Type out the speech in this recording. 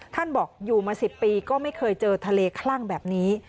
ท่านบอกอยู่มา๑๐ปีก็ไม่เคยเจอทะเลคลั่งแบบนี้